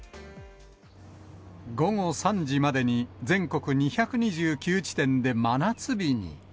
午後３時までに全国２２９地点で真夏日に。